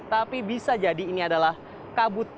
tapi bisa jadi ini adalah kabut